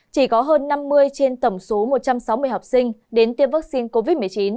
chỉ có hơn năm mươi trên tổng số một trăm sáu mươi học sinh đến tiêm vaccine covid một mươi chín